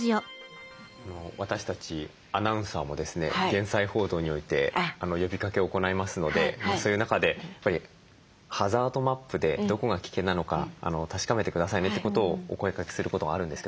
減災報道において呼びかけを行いますのでそういう中で「ハザードマップでどこが危険なのか確かめて下さいね」ってことをお声かけすることがあるんですけども。